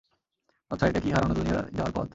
আচ্ছা, এটা কি হারানো দুনিয়ায় যাওয়ার পথ?